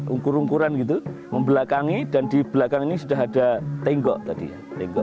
ungkur ungkuran gitu membelakangi dan di belakang ini sudah ada tenggok tadi ya